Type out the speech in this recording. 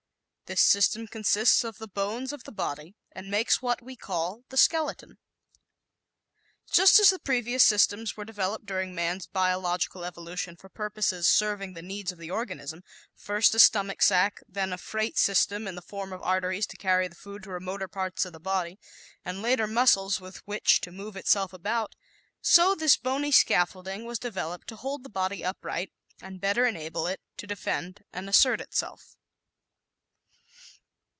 This system consists of the bones of the body and makes what we call the skeleton. Just as the previous systems were developed during man's biological evolution for purposes serving the needs of the organism first, a stomach sack, then a freight system in the form of arteries to carry the food to remoter parts of the body, and later muscles with which to move itself about so this bony scaffolding was developed to hold the body upright and better enable it to defend and assert itself.